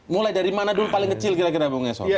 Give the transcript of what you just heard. mulai dari mana dulu paling kecil kira kira bung eson